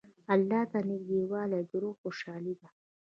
الله ته نېږدېوالی د روح خوشحالي ده.